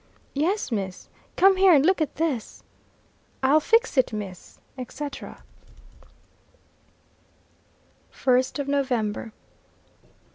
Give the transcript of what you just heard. "Yes, miss," "Come here, and look at this!" "I'll fix it, miss," etc. 1st November.